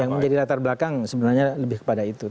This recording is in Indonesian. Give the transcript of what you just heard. yang menjadi latar belakang sebenarnya lebih kepada itu